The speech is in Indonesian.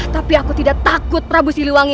tapi aku tidak takut prabu siliwangi